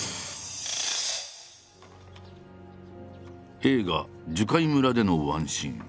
映画「樹海村」でのワンシーン。